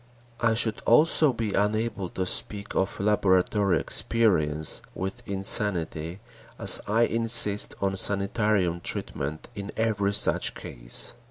I should also be unable to speak of laboratory experience with insanity, as I insist on sanitarium treatment in every such case.